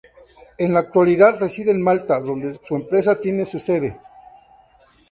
En la actualidad reside en Malta, donde su empresa tiene su sede.